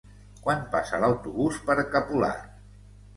Quan passa l'autobús per Capolat?